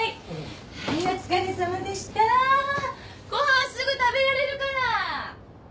ご飯すぐ食べられるから。